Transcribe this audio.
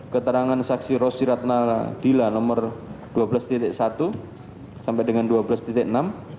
keterangan saksi rosi ratna dila nomor dua belas satu sampai dengan dua belas enam